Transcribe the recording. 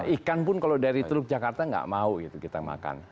ikan pun kalau dari teluk jakarta nggak mau gitu kita makan